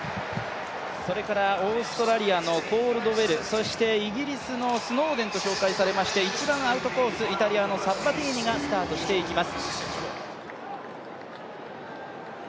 それからオーストラリアのコールドウェル、そしてイギリスのスノーデンと紹介されまして一番アウトコース、イタリアのサッバティーニがスタートしていきます。